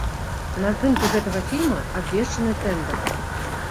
На здымкі гэтага фільма абвешчаны тэндар.